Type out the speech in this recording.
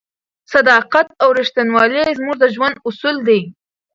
صداقت او رښتینولي زموږ د ژوند اصل دی.